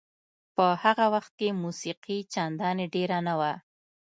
په هغه وخت کې موسیقي چندانې ډېره نه وه.